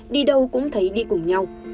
đi đâu cũng thấy đi cùng nhau